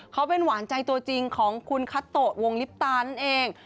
เขาเป็นหวานใจตัวจริงของคุณคัตโตะวงลิปตานั่นเอง